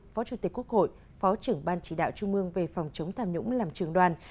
phó chủ tịch quốc hội phó trưởng ban chỉ đạo trung mương về phòng chống tham nhũng làm trường đoàn